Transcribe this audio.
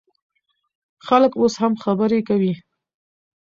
خلک اوس هم خبرې کوي.